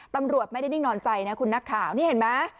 ตำรวจไม่ได้นิ่งนอนใจนะคุณนักข่าวนี่เห็นไหม